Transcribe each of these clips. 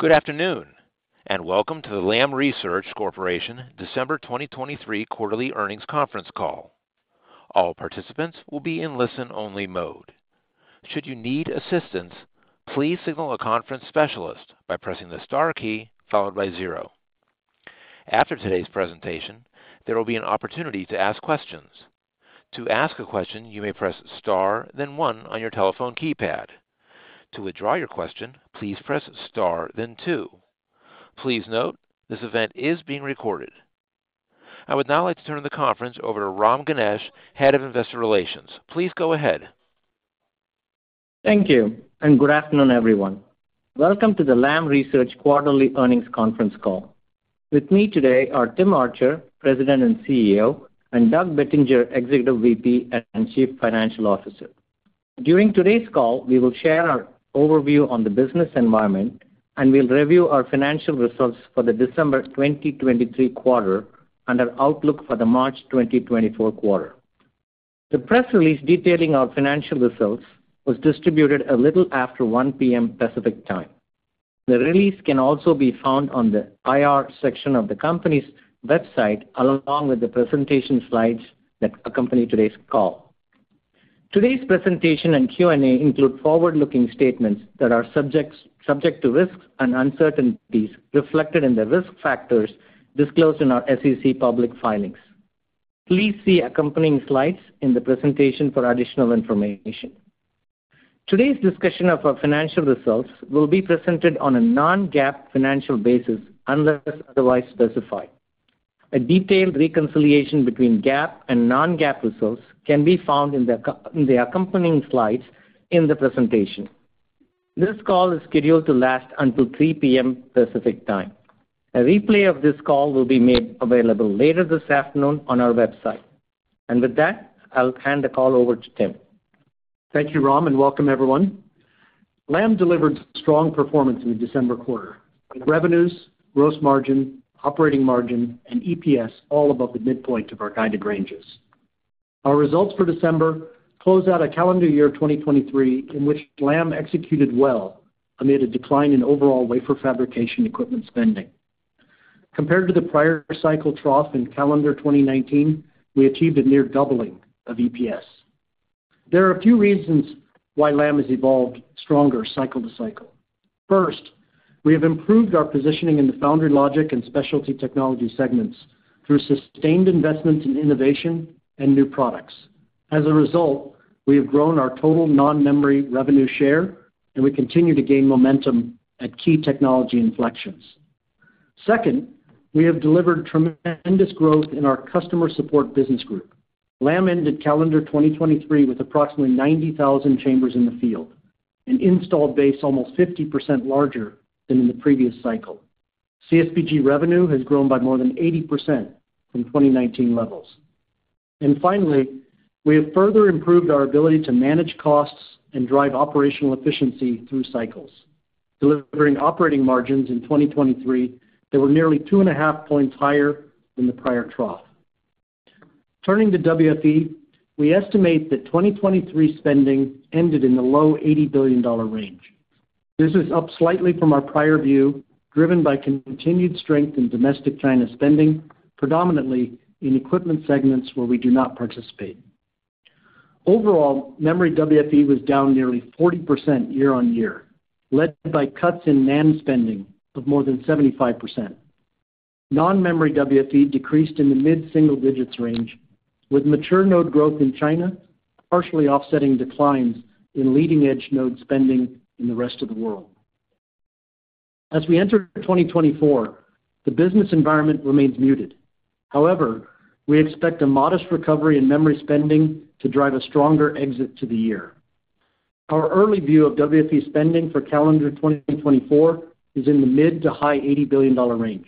Good afternoon, and welcome to the Lam Research Corporation December 2023 quarterly earnings conference call. All participants will be in listen-only mode. Should you need assistance, please signal a conference specialist by pressing the star key followed by zero. After today's presentation, there will be an opportunity to ask questions. To ask a question, you may press star, then one on your telephone keypad. To withdraw your question, please press star, then two. Please note, this event is being recorded. I would now like to turn the conference over to Ram Ganesh, Head of Investor Relations. Please go ahead. Thank you, and good afternoon, everyone. Welcome to the Lam Research Quarterly Earnings Conference Call. With me today are Tim Archer, President and CEO, and Doug Bettinger, Executive VP and Chief Financial Officer. During today's call, we will share our overview on the business environment, and we'll review our financial results for the December 2023 quarter and our outlook for the March 2024 quarter. The press release detailing our financial results was distributed a little after 1 P.M. Pacific Time. The release can also be found on the IR section of the company's website, along with the presentation slides that accompany today's call. Today's presentation and Q&A include forward-looking statements that are subject to risks and uncertainties reflected in the risk factors disclosed in our SEC public filings. Please see accompanying slides in the presentation for additional information. Today's discussion of our financial results will be presented on a non-GAAP financial basis, unless otherwise specified. A detailed reconciliation between GAAP and non-GAAP results can be found in the accompanying slides in the presentation. This call is scheduled to last until 3:00 P.M. Pacific Time. A replay of this call will be made available later this afternoon on our website. With that, I'll hand the call over to Tim. Thank you, Ram, and welcome everyone. Lam delivered strong performance in the December quarter, with revenues, gross margin, operating margin, and EPS all above the midpoint of our guided ranges. Our results for December close out a calendar year of 2023, in which Lam executed well amid a decline in overall wafer fabrication equipment spending. Compared to the prior cycle trough in calendar 2019, we achieved a near doubling of EPS. There are a few reasons why Lam has evolved stronger cycle to cycle. First, we have improved our positioning in the foundry logic and specialty technology segments through sustained investments in innovation and new products. As a result, we have grown our total non-memory revenue share, and we continue to gain momentum at key technology inflections. Second, we have delivered tremendous growth in our Customer Support Business Group. Lam ended calendar 2023 with approximately 90,000 chambers in the field, an installed base almost 50% larger than in the previous cycle. CSBG revenue has grown by more than 80% from 2019 levels. And finally, we have further improved our ability to manage costs and drive operational efficiency through cycles, delivering operating margins in 2023 that were nearly 2.5 points higher than the prior trough. Turning to WFE, we estimate that 2023 spending ended in the low $80 billion range. This is up slightly from our prior view, driven by continued strength in domestic China spending, predominantly in equipment segments where we do not participate. Overall, memory WFE was down nearly 40% year-on-year, led by cuts in NAND spending of more than 75%. Non-memory WFE decreased in the mid-single digits range, with mature node growth in China, partially offsetting declines in leading-edge node spending in the rest of the world. As we enter 2024, the business environment remains muted. However, we expect a modest recovery in memory spending to drive a stronger exit to the year. Our early view of WFE spending for calendar 2024 is in the mid- to high-$80 billion range.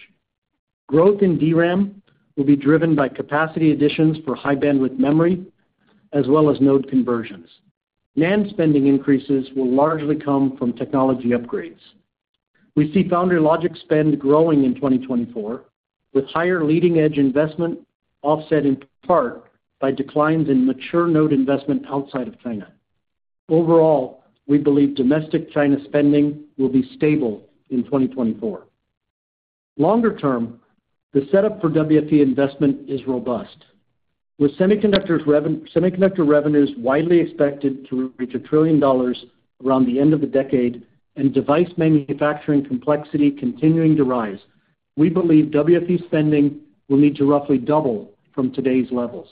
Growth in DRAM will be driven by capacity additions for High-Bandwidth Memory, as well as node conversions. NAND spending increases will largely come from technology upgrades. We see foundry logic spend growing in 2024, with higher leading-edge investment offset in part by declines in mature node investment outside of China. Overall, we believe domestic China spending will be stable in 2024. Longer term, the setup for WFE investment is robust. With semiconductor revenues widely expected to reach $1 trillion around the end of the decade and device manufacturing complexity continuing to rise, we believe WFE spending will need to roughly double from today's levels.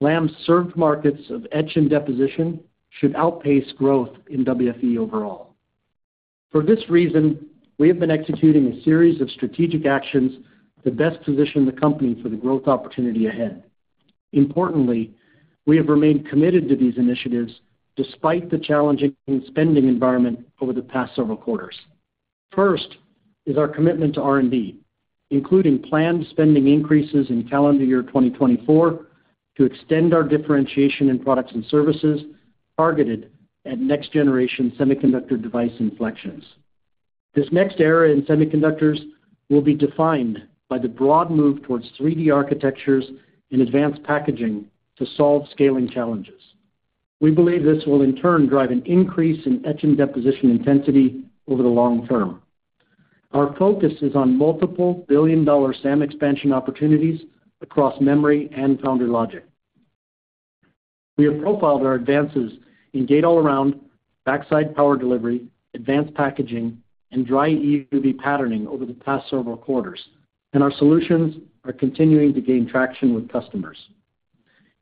Lam's served markets of etch and deposition should outpace growth in WFE overall. For this reason, we have been executing a series of strategic actions to best position the company for the growth opportunity ahead. Importantly, we have remained committed to these initiatives despite the challenging spending environment over the past several quarters. First is our commitment to R&D, including planned spending increases in calendar year 2024 to extend our differentiation in products and services targeted at next-generation semiconductor device inflections. This next era in semiconductors will be defined by the broad move towards 3D architectures and advanced packaging to solve scaling challenges. We believe this will, in turn, drive an increase in etch and deposition intensity over the long term. Our focus is on multiple billion-dollar SAM expansion opportunities across memory and foundry logic. We have profiled our advances in Gate-All-Around, backside power delivery, advanced packaging, and dry EUV patterning over the past several quarters, and our solutions are continuing to gain traction with customers.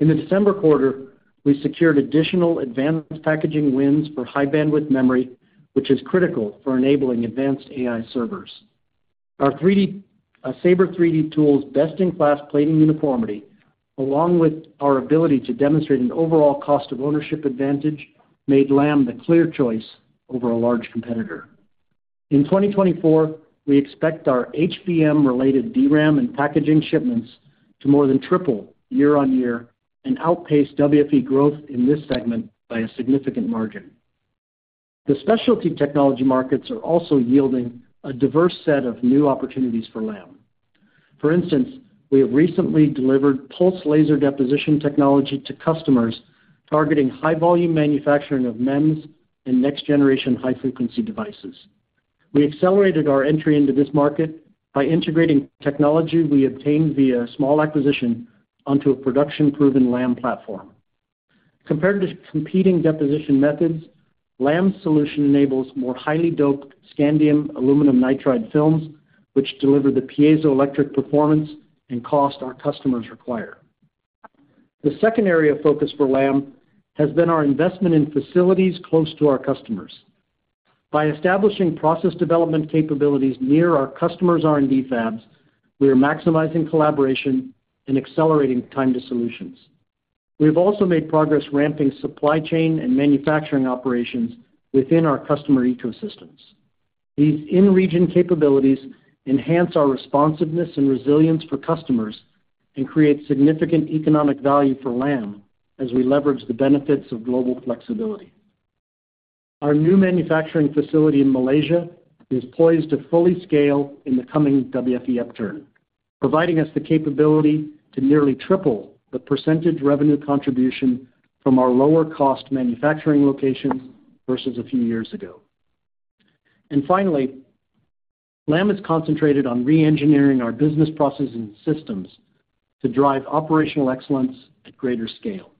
In the December quarter, we secured additional advanced packaging wins for high-bandwidth memory, which is critical for enabling advanced AI servers. Our SABRE 3D tool's best-in-class plating uniformity, along with our ability to demonstrate an overall cost of ownership advantage, made Lam the clear choice over a large competitor. In 2024, we expect our HBM-related DRAM and packaging shipments to more than triple year-on-year and outpace WFE growth in this segment by a significant margin. The specialty technology markets are also yielding a diverse set of new opportunities for Lam. For instance, we have recently delivered Pulsed Laser Deposition technology to customers targeting high-volume manufacturing of MEMS and next-generation high-frequency devices. We accelerated our entry into this market by integrating technology we obtained via a small acquisition onto a production-proven Lam platform. Compared to competing deposition methods, Lam's solution enables more highly doped aluminum scandium nitride films, which deliver the piezoelectric performance and cost our customers require. The second area of focus for Lam has been our investment in facilities close to our customers. By establishing process development capabilities near our customers' R&D fabs, we are maximizing collaboration and accelerating time to solutions. We have also made progress ramping supply chain and manufacturing operations within our customer ecosystems. These in-region capabilities enhance our responsiveness and resilience for customers and create significant economic value for Lam as we leverage the benefits of global flexibility. Our new manufacturing facility in Malaysia is poised to fully scale in the coming WFE upturn, providing us the capability to nearly triple the percentage revenue contribution from our lower-cost manufacturing locations versus a few years ago. And finally, Lam has concentrated on re-engineering our business processes and systems to drive operational excellence at greater scale.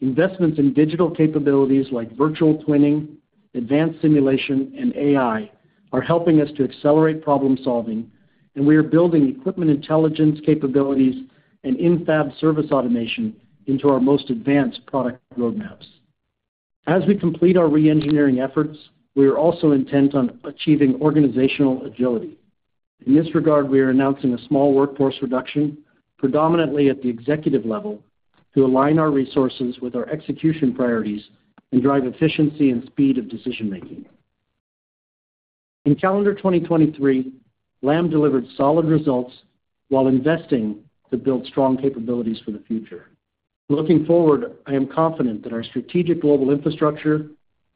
Investments in digital capabilities like virtual twinning, advanced simulation, and AI are helping us to accelerate problem-solving, and we are building equipment intelligence capabilities and in-fab service automation into our most advanced product roadmaps. As we complete our re-engineering efforts, we are also intent on achieving organizational agility. In this regard, we are announcing a small workforce reduction, predominantly at the executive level, to align our resources with our execution priorities and drive efficiency and speed of decision-making. In calendar 2023, Lam delivered solid results while investing to build strong capabilities for the future. Looking forward, I am confident that our strategic global infrastructure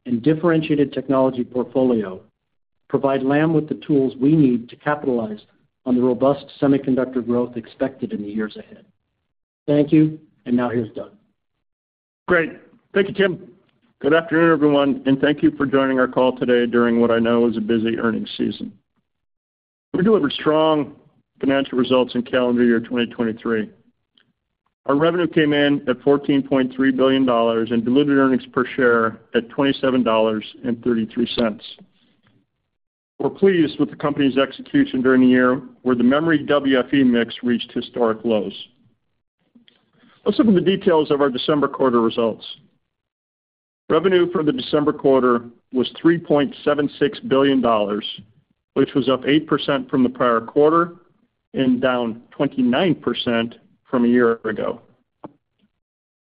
and differentiated technology portfolio provide Lam with the tools we need to capitalize on the robust semiconductor growth expected in the years ahead. Thank you, and now here's Doug. Great. Thank you, Tim. Good afternoon, everyone, and thank you for joining our call today during what I know is a busy earnings season. We delivered strong financial results in calendar year 2023. Our revenue came in at $14.3 billion, and diluted earnings per share at $27.33. We're pleased with the company's execution during the year, where the memory WFE mix reached historic lows. Let's look at the details of our December quarter results. Revenue for the December quarter was $3.76 billion, which was up 8% from the prior quarter and down 29% from a year ago.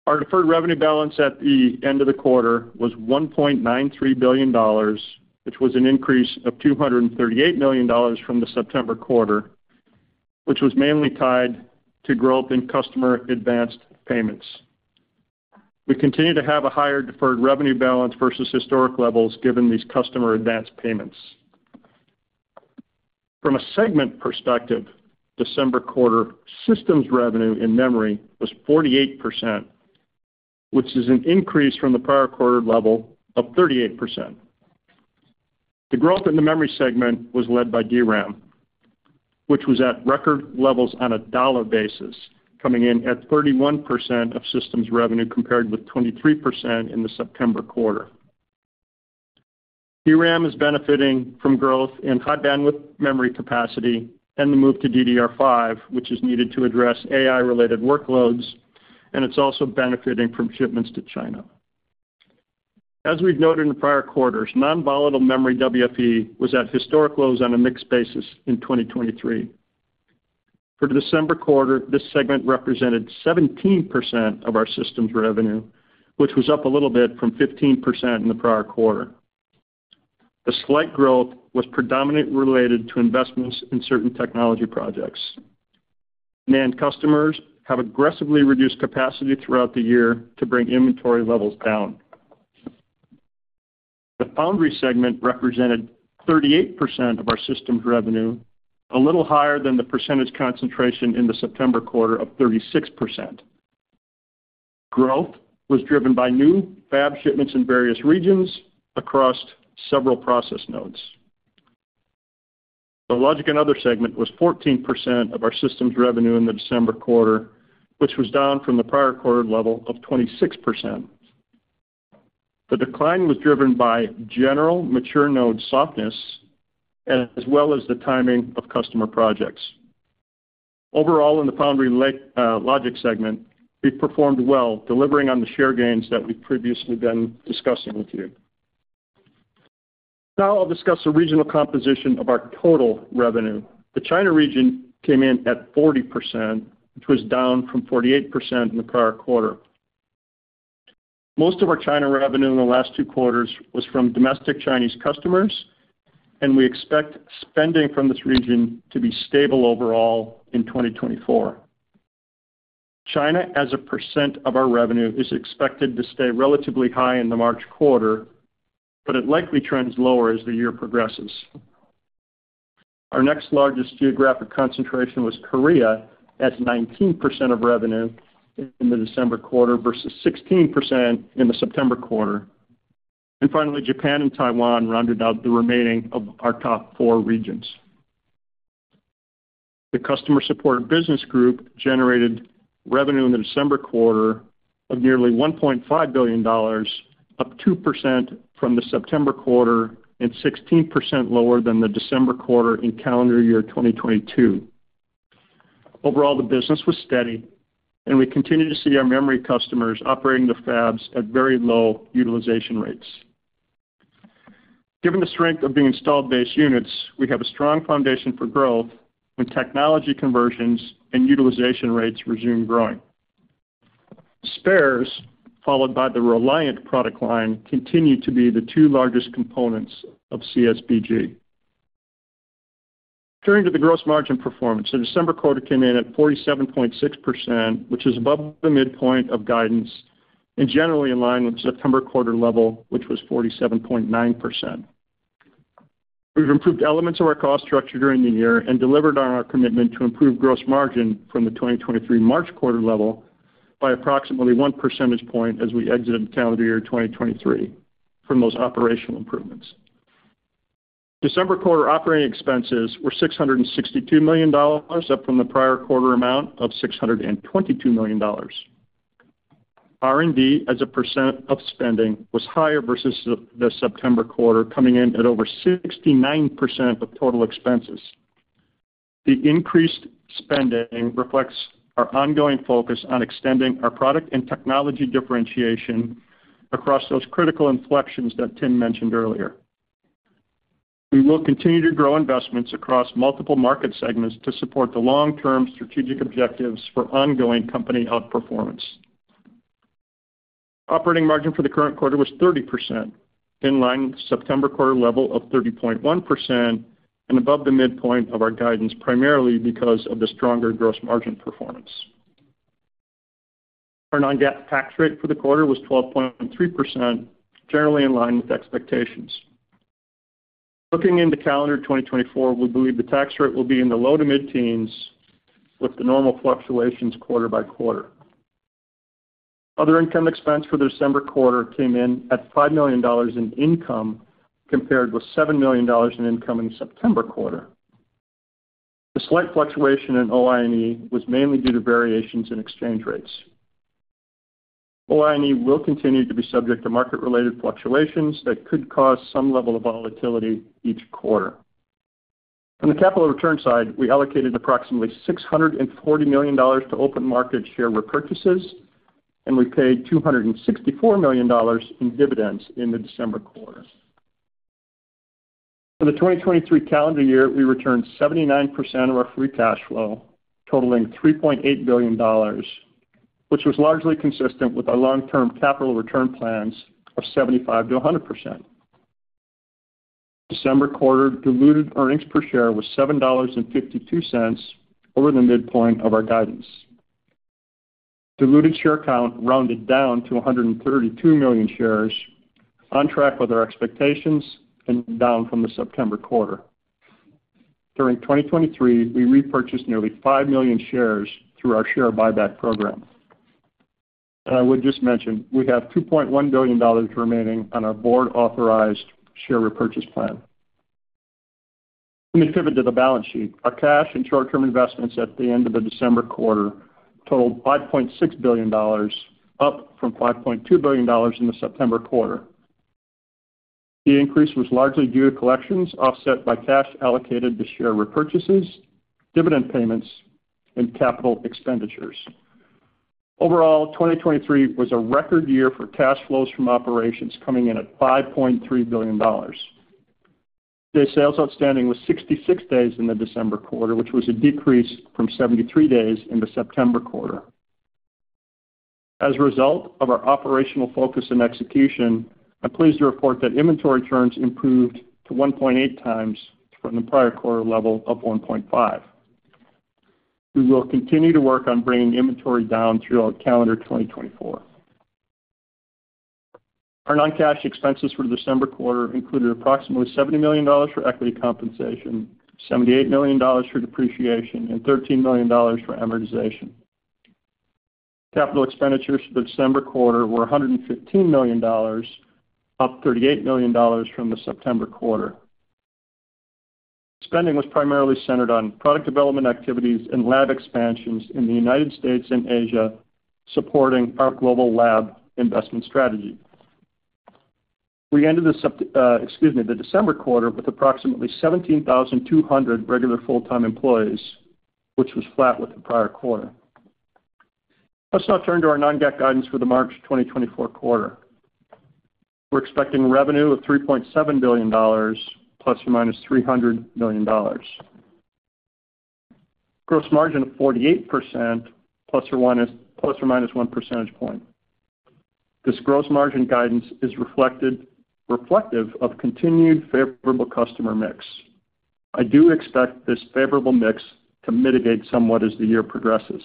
Our deferred revenue balance at the end of the quarter was $1.93 billion, which was an increase of $238 million from the September quarter, which was mainly tied to growth in customer advance payments. We continue to have a higher deferred revenue balance versus historic levels, given these customer advance payments. From a segment perspective, December quarter systems revenue in memory was 48%, which is an increase from the prior quarter level of 38%. The growth in the memory segment was led by DRAM, which was at record levels on a dollar basis, coming in at 31% of systems revenue, compared with 23% in the September quarter. DRAM is benefiting from growth in high-bandwidth memory capacity and the move to DDR5, which is needed to address AI-related workloads, and it's also benefiting from shipments to China. As we've noted in prior quarters, non-volatile memory WFE was at historic lows on a mixed basis in 2023. For the December quarter, this segment represented 17% of our systems revenue, which was up a little bit from 15% in the prior quarter. The slight growth was predominantly related to investments in certain technology projects. NAND customers have aggressively reduced capacity throughout the year to bring inventory levels down. The Foundry segment represented 38% of our systems revenue, a little higher than the percentage concentration in the September quarter of 36%. Growth was driven by new fab shipments in various regions across several process nodes. The Logic and Other segment was 14% of our systems revenue in the December quarter, which was down from the prior quarter level of 26%. The decline was driven by general mature node softness, as well as the timing of customer projects. Overall, in the Foundry, Logic segment, we've performed well, delivering on the share gains that we've previously been discussing with you. Now I'll discuss the regional composition of our total revenue. The China region came in at 40%, which was down from 48% in the prior quarter. Most of our China revenue in the last two quarters was from domestic Chinese customers, and we expect spending from this region to be stable overall in 2024. China, as a percent of our revenue, is expected to stay relatively high in the March quarter, but it likely trends lower as the year progresses. Our next largest geographic concentration was Korea, at 19% of revenue in the December quarter versus 16% in the September quarter. Finally, Japan and Taiwan rounded out the remaining of our top four regions. The Customer Support Business Group generated revenue in the December quarter of nearly $1.5 billion, up 2% from the September quarter and 16% lower than the December quarter in calendar year 2022. Overall, the business was steady, and we continue to see our memory customers operating the fabs at very low utilization rates. Given the strength of the installed base units, we have a strong foundation for growth when technology conversions and utilization rates resume growing. Spares, followed by the Reliant product line, continue to be the two largest components of CSBG. Turning to the gross margin performance. The December quarter came in at 47.6%, which is above the midpoint of guidance and generally in line with September quarter level, which was 47.9%. We've improved elements of our cost structure during the year and delivered on our commitment to improve gross margin from the 2023 March quarter level by approximately 1 percentage point as we exited calendar year 2023 from those operational improvements. December quarter operating expenses were $662 million, up from the prior quarter amount of $622 million. R&D, as a percent of spending, was higher versus the September quarter, coming in at over 69% of total expenses. The increased spending reflects our ongoing focus on extending our product and technology differentiation across those critical inflections that Tim mentioned earlier. We will continue to grow investments across multiple market segments to support the long-term strategic objectives for ongoing company outperformance. Operating margin for the current quarter was 30%, in line with September quarter level of 30.1% and above the midpoint of our guidance, primarily because of the stronger gross margin performance. Our non-GAAP tax rate for the quarter was 12.3%, generally in line with expectations. Looking into calendar 2024, we believe the tax rate will be in the low- to mid-teens%, with the normal fluctuations quarter by quarter. Other income expense for the December quarter came in at $5 million in income, compared with $7 million in income in September quarter. The slight fluctuation in OI&E was mainly due to variations in exchange rates. OI&E will continue to be subject to market-related fluctuations that could cause some level of volatility each quarter. On the capital return side, we allocated approximately $640 million to open market share repurchases, and we paid $264 million in dividends in the December quarter. For the 2023 calendar year, we returned 79% of our free cash flow, totaling $3.8 billion, which was largely consistent with our long-term capital return plans of 75%-100%. December quarter diluted earnings per share was $7.52 over the midpoint of our guidance. Diluted share count rounded down to 132 million shares, on track with our expectations and down from the September quarter. During 2023, we repurchased nearly 5 million shares through our share buyback program. I would just mention, we have $2.1 billion remaining on our board-authorized share repurchase plan. Let me pivot to the balance sheet. Our cash and short-term investments at the end of the December quarter totaled $5.6 billion, up from $5.2 billion in the September quarter. The increase was largely due to collections, offset by cash allocated to share repurchases, dividend payments, and capital expenditures. Overall, 2023 was a record year for cash flows from operations, coming in at $5.3 billion. Days sales outstanding was 66 days in the December quarter, which was a decrease from 73 days in the September quarter. As a result of our operational focus and execution, I'm pleased to report that inventory turns improved to 1.8 times from the prior quarter level of 1.5. We will continue to work on bringing inventory down throughout calendar 2024. Our non-cash expenses for the December quarter included approximately $70 million for equity compensation, $78 million for depreciation, and $13 million for amortization. Capital expenditures for the December quarter were $115 million, up $38 million from the September quarter. Spending was primarily centered on product development activities and lab expansions in the United States and Asia, supporting our global lab investment strategy. We ended the December quarter with approximately 17,200 regular full-time employees, which was flat with the prior quarter. Let's now turn to our non-GAAP guidance for the March 2024 quarter. We're expecting revenue of $3.7 billion ±$300 million. Gross margin of 48% ±1 percentage point. This gross margin guidance is reflected, reflective of continued favorable customer mix. I do expect this favorable mix to mitigate somewhat as the year progresses.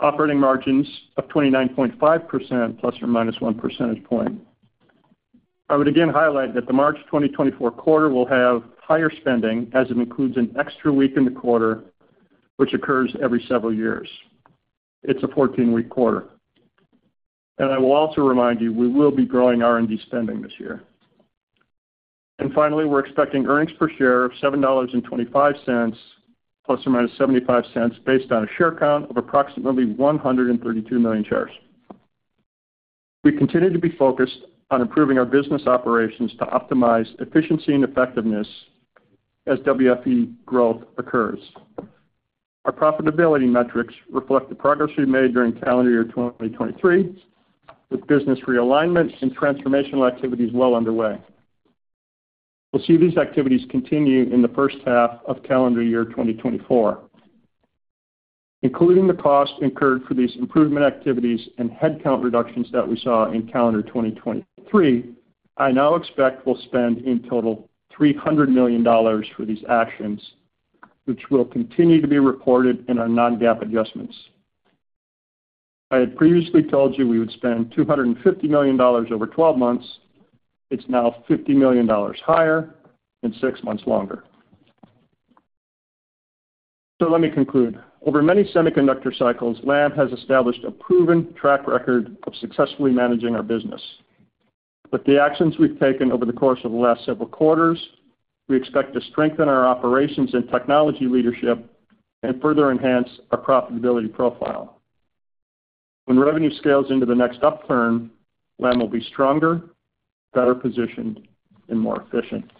Operating margins of 29.5%, plus or minus one percentage point. I would again highlight that the March 2024 quarter will have higher spending, as it includes an extra week in the quarter, which occurs every several years. It's a 14-week quarter. And I will also remind you, we will be growing R&D spending this year. And finally, we're expecting earnings per share of $7.25, plus or minus 75 cents, based on a share count of approximately 132 million shares. We continue to be focused on improving our business operations to optimize efficiency and effectiveness as WFE growth occurs. Our profitability metrics reflect the progress we've made during calendar year 2023, with business realignment and transformational activities well underway. We'll see these activities continue in the first half of calendar year 2024. Including the cost incurred for these improvement activities and headcount reductions that we saw in calendar 2023, I now expect we'll spend, in total, $300 million for these actions, which will continue to be reported in our non-GAAP adjustments. I had previously told you we would spend $250 million over 12 months. It's now $50 million higher and six months longer. So let me conclude. Over many semiconductor cycles, Lam has established a proven track record of successfully managing our business. With the actions we've taken over the course of the last several quarters, we expect to strengthen our operations and technology leadership and further enhance our profitability profile. When revenue scales into the next upturn, Lam will be stronger, better positioned, and more efficient.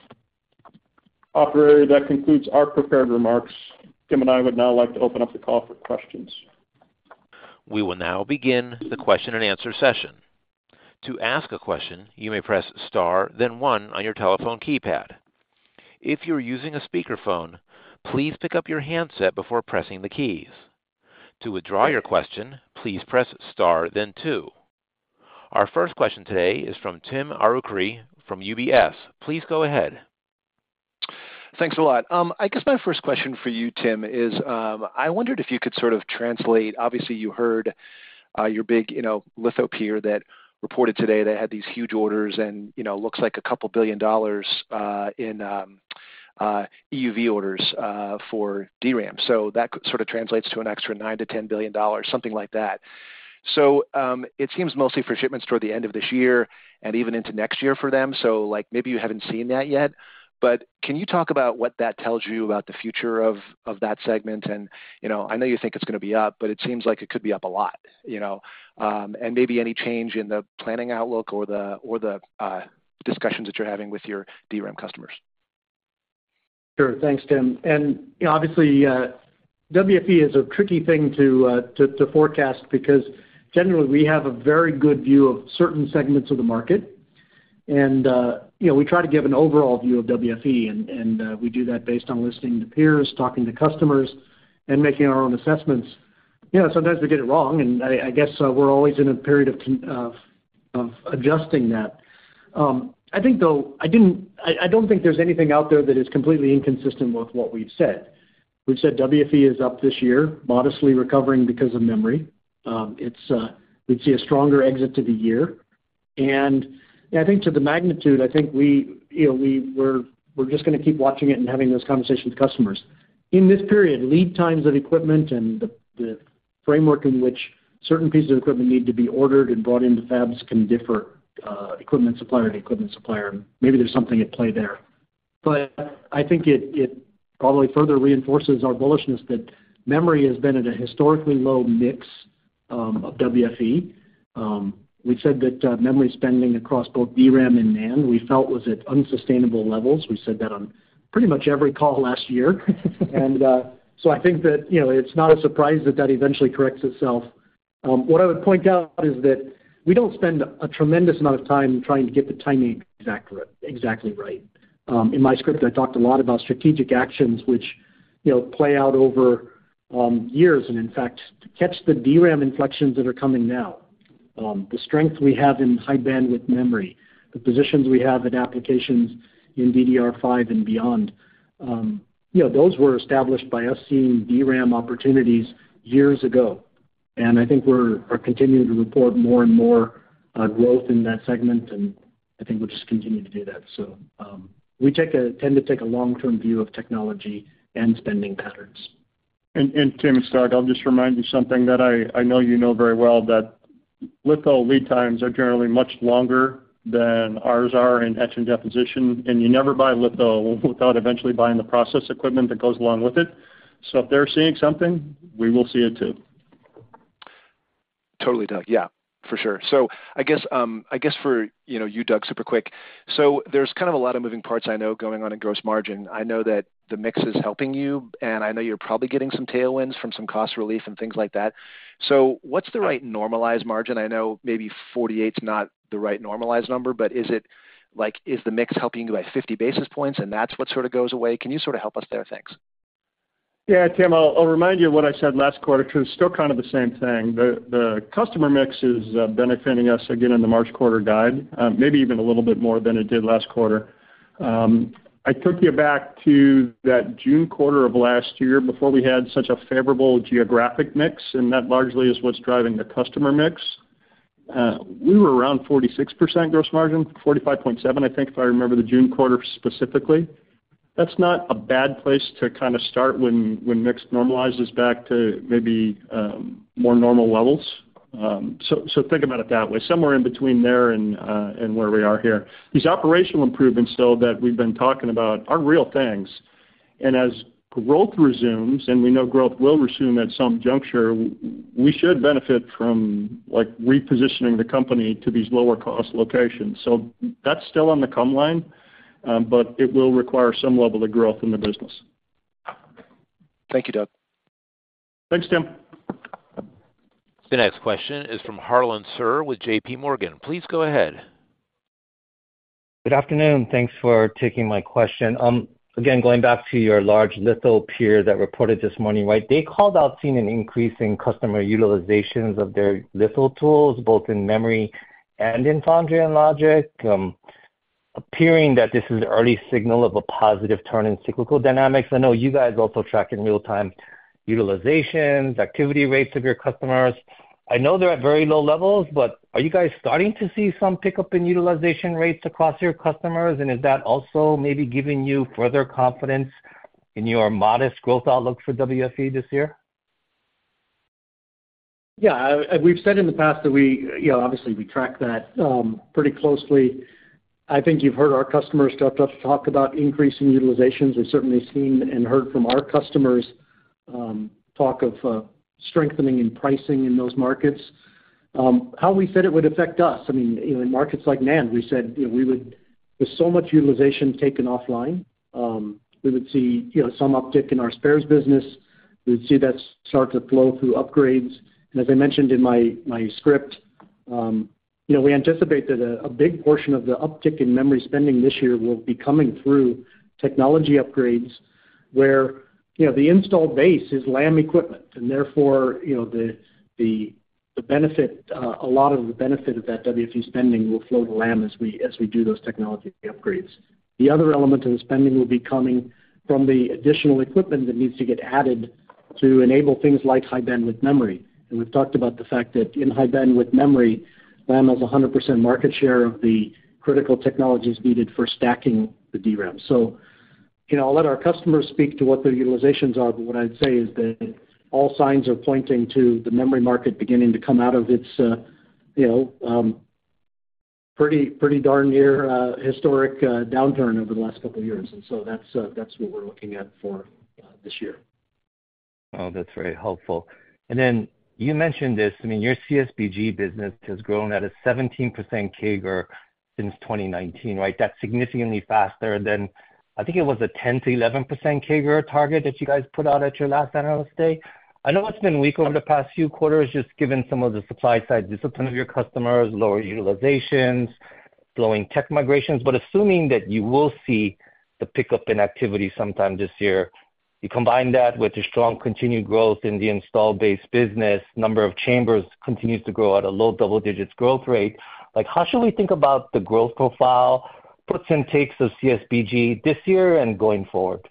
Operator, that concludes our prepared remarks. Tim and I would now like to open up the call for questions. We will now begin the question-and-answer session. To ask a question, you may press star, then one on your telephone keypad. If you are using a speakerphone, please pick up your handset before pressing the keys. To withdraw your question, please press star then two. Our first question today is from Tim Arcuri from UBS. Please go ahead. Thanks a lot. I guess my first question for you, Tim, is, I wondered if you could sort of translate. Obviously, you heard your big, you know, litho peer that reported today. They had these huge orders and, you know, looks like a couple billion dollars in EUV orders for DRAM. So that sort of translates to an extra $9-$10 billion, something like that. So, it seems mostly for shipments toward the end of this year and even into next year for them, so, like, maybe you haven't seen that yet, but can you talk about what that tells you about the future of that segment? And, you know, I know you think it's going to be up, but it seems like it could be up a lot, you know. And maybe any change in the planning outlook or the discussions that you're having with your DRAM customers? Sure. Thanks, Tim. And obviously, WFE is a tricky thing to forecast because generally, we have a very good view of certain segments of the market, and, you know, we try to give an overall view of WFE, and, we do that based on listening to peers, talking to customers, and making our own assessments. You know, sometimes we get it wrong, and I guess, we're always in a period of adjusting that. I think, though I don't think there's anything out there that is completely inconsistent with what we've said. We've said WFE is up this year, modestly recovering because of memory. It's, we'd see a stronger exit to the year. I think to the magnitude, I think we, you know, we're just going to keep watching it and having those conversations with customers. In this period, lead times of equipment and the framework in which certain pieces of equipment need to be ordered and brought into fabs can differ, equipment supplier to equipment supplier. Maybe there's something at play there. But I think it probably further reinforces our bullishness that memory has been at a historically low mix of WFE. We've said that memory spending across both DRAM and NAND, we felt was at unsustainable levels. We said that on pretty much every call last year. So I think that, you know, it's not a surprise that that eventually corrects itself. What I would point out is that we don't spend a tremendous amount of time trying to get the timing accurate, exactly right. In my script, I talked a lot about strategic actions which, you know, play out over years, and in fact, to catch the DRAM inflections that are coming now. The strength we have in High Bandwidth Memory, the positions we have in applications in DDR5 and beyond, you know, those were established by us seeing DRAM opportunities years ago. And I think we're continuing to report more and more growth in that segment, and I think we'll just continue to do that. So, we tend to take a long-term view of technology and spending patterns. And, Tim to start, I'll just remind you something that I know you know very well, that litho lead times are generally much longer than ours are in etch and deposition, and you never buy litho without eventually buying the process equipment that goes along with it. So if they're seeing something, we will see it too. Totally, Doug. Yeah, for sure. So I guess, you know, you, Doug, super quick. So there's kind of a lot of moving parts I know, going on in gross margin. I know that the mix is helping you, and I know you're probably getting some tailwinds from some cost relief and things like that. So what's the right normalized margin? I know maybe 48's not the right normalized number, but is it, like, is the mix helping you by 50 basis points, and that's what sort of goes away? Can you sort of help us there? Thanks. Yeah, Tim, I'll remind you of what I said last quarter, because it's still kind of the same thing. The customer mix is benefiting us again in the March quarter guide, maybe even a little bit more than it did last quarter. I took you back to that June quarter of last year before we had such a favorable geographic mix, and that largely is what's driving the customer mix. We were around 46% gross margin, 45.7, I think, if I remember the June quarter specifically. That's not a bad place to kind of start when mix normalizes back to maybe more normal levels. So think about it that way, somewhere in between there and where we are here. These operational improvements, though, that we've been talking about are real things. As growth resumes, and we know growth will resume at some juncture, we should benefit from, like, repositioning the company to these lower-cost locations. That's still on the come line, but it will require some level of growth in the business. Thank you, Doug. Thanks, Tim. The next question is from Harlan Sur with J.P. Morgan. Please go ahead. Good afternoon. Thanks for taking my question. Again, going back to your large litho peer that reported this morning, right? They called out seeing an increase in customer utilizations of their litho tools, both in memory and in foundry and logic, appearing that this is an early signal of a positive turn in cyclical dynamics. I know you guys also track in real time utilizations, activity rates of your customers. I know they're at very low levels, but are you guys starting to see some pickup in utilization rates across your customers? And is that also maybe giving you further confidence in your modest growth outlook for WFE this year? Yeah, we've said in the past that we, you know, obviously, we track that pretty closely. I think you've heard our customers talk about increasing utilizations. We've certainly seen and heard from our customers talk of strengthening in pricing in those markets. How we said it would affect us, I mean, in markets like NAND, we said, you know, we would. With so much utilization taken offline, we would see, you know, some uptick in our spares business. We would see that start to flow through upgrades. As I mentioned in my script, you know, we anticipate that a big portion of the uptick in memory spending this year will be coming through technology upgrades, where, you know, the installed base is Lam equipment, and therefore, you know, the benefit, a lot of the benefit of that WFE spending will flow to Lam as we do those technology upgrades. The other element of the spending will be coming from the additional equipment that needs to get added to enable things like High-Bandwidth Memory. And we've talked about the fact that in High-Bandwidth Memory, Lam has 100% market share of the critical technologies needed for stacking the DRAM. So, you know, I'll let our customers speak to what their utilizations are, but what I'd say is that all signs are pointing to the memory market beginning to come out of its, you know, pretty, pretty darn near historic downturn over the last couple of years. And so that's, that's what we're looking at for this year. Oh, that's very helpful. And then you mentioned this, I mean, your CSBG business has grown at a 17% CAGR since 2019, right? That's significantly faster than, I think it was a 10%-11% CAGR target that you guys put out at your last Analyst Day. I know it's been weak over the past few quarters, just given some of the supply side discipline of your customers, lower utilizations, slowing tech migrations. But assuming that you will see the pickup in activity sometime this year, you combine that with the strong continued growth in the installed base business, number of chambers continues to grow at a low double digits growth rate. Like, how should we think about the growth profile, puts and takes of CSBG this year and going forward?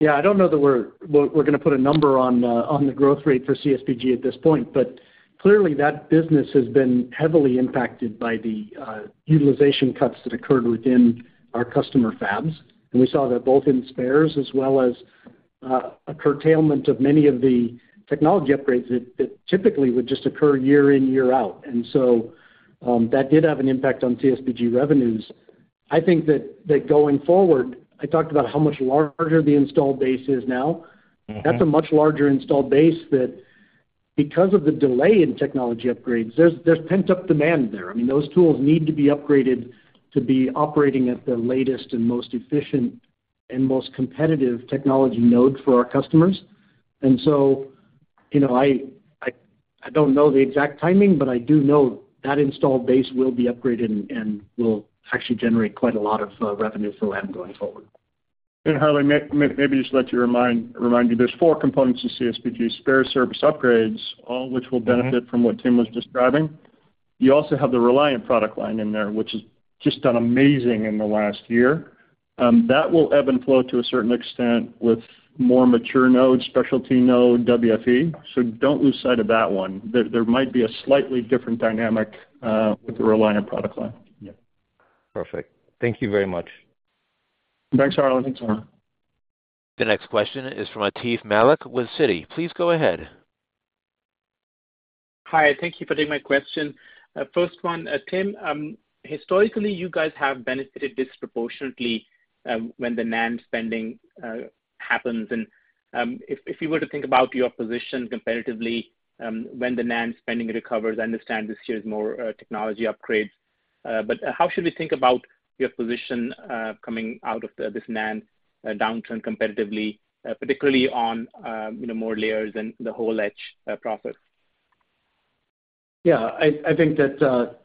Yeah, I don't know that we're gonna put a number on the growth rate for CSBG at this point, but clearly, that business has been heavily impacted by the utilization cuts that occurred within our customer fabs. And we saw that both in spares as well as a curtailment of many of the technology upgrades that typically would just occur year in, year out. And so, that did have an impact on CSBG revenues. I think that going forward, I talked about how much larger the installed base is now. Mm-hmm. That's a much larger installed base that because of the delay in technology upgrades, there's pent-up demand there. I mean, those tools need to be upgraded to be operating at the latest and most efficient and most competitive technology node for our customers. And so, you know, I don't know the exact timing, but I do know that installed base will be upgraded and will actually generate quite a lot of revenue for Lam going forward. Harlan, maybe just let me remind you, there's four components to CSBG, spares, services, upgrades, all which will benefit from what Tim was describing. You also have the Reliant product line in there, which has just done amazing in the last year. That will ebb and flow to a certain extent with more mature nodes, specialty node, WFE. So don't lose sight of that one. There might be a slightly different dynamic with the Reliant product line. Perfect. Thank you very much. Thanks, Harley. The next question is from Atif Malik with Citi. Please go ahead. Hi, thank you for taking my question. First one, Tim, historically, you guys have benefited disproportionately when the NAND spending happens. If you were to think about your position competitively when the NAND spending recovers, I understand this year is more technology upgrades. But how should we think about your position coming out of this NAND downturn competitively, particularly on, you know, more layers and the whole etch process? Yeah, I think that